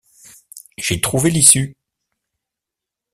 J’ai trouvé l’issue.